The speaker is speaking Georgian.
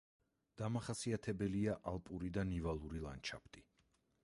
დამახასიათებელია ალპური და ნივალური ლანდშაფტი.